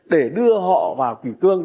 để đưa họ vào kỳ cương